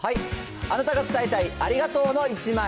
あなたが伝えたいありがとうの１枚。